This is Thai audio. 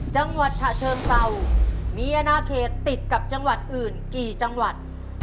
จังหวัดฉะเชิงเศร้ามีอนาเขตติดกับจังหวัดอื่นกี่จังหวัด